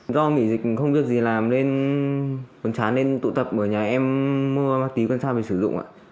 do mỉ dịch không được gì làm nên còn chán nên tụ tập ở nhà em mua ma túy cần xa để sử dụng ạ